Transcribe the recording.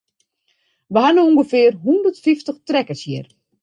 We ha no ûngefear hondert fyftich trekkers hjir.